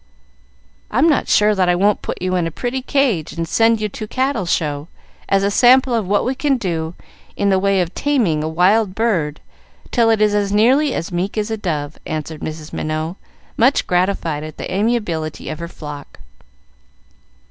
"I'm not sure that I won't put you in a pretty cage and send you to Cattle Show, as a sample of what we can do in the way of taming a wild bird till it is nearly as meek as a dove," answered Mrs. Minot, much gratified at the amiability of her flock.